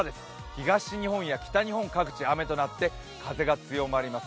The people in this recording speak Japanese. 東日本や北日本各地、雨となって、風が強まります。